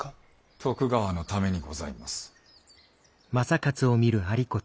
徳川のためにございます。